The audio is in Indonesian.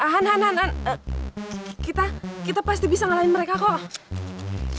han han han kita pasti bisa ngalahin mereka kok